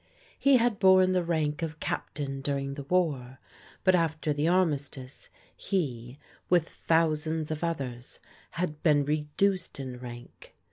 He had borne the rank of captain during the war, but after the Armistice, he, with thou sands of others, had been reduced in rank.